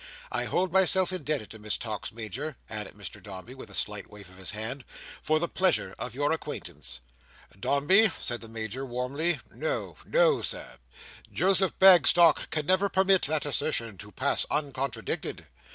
I hold myself indebted to Miss Tox, Major," added Mr Dombey, with a slight wave of his hand, "for the pleasure of your acquaintance." "Dombey," said the Major, warmly: "no! No, Sir! Joseph Bagstock can never permit that assertion to pass uncontradicted.